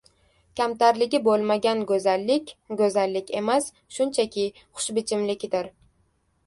Kamtarligi bo‘lmagan go‘zallik — go‘zallik emas, shunchaki xushbichimlikdir.